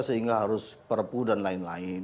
sehingga harus perpu dan lain lain